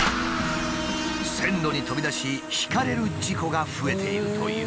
線路に飛び出しひかれる事故が増えているという。